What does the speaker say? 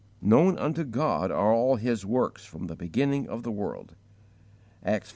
"Known unto God are all His works from the beginning of the world." (Acts xiv.